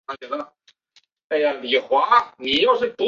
余切定理是三角学中关于三角形内切圆半径的定理。